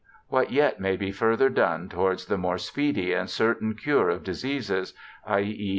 What yet may be further done towards the more speedy and certain cure of diseases ; i. e.